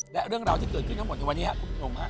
และเรื่องราวที่เกิดขึ้นทั้งหมดในวันนี้ครับคุณผู้ชมฮะ